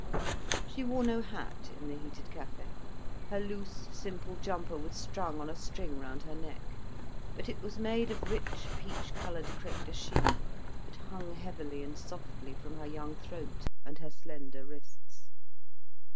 She wore no hat in the heated café, her loose, simple jumper was strung on a string round her neck. But it was made of rich peach coloured crêpe de chine, that hung heavily and softly from her young throat and her slender wrists.